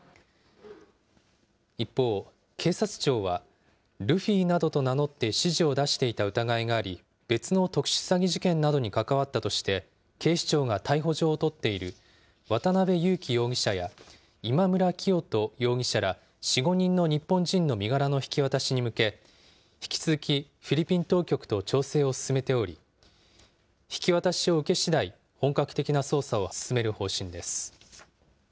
一方、警察庁はルフィなどと名乗って、指示を出していた疑いがあり、別の特殊詐欺事件などに関わったとして、警視庁が逮捕状を取っている渡邉優樹容疑者や今村磨人容疑者ら４、５人の日本人の身柄の引き渡しに向け、引き続きフィリピン当局と調整を進めており、引き渡しを受けしだい、本格的な捜査を進める方針です。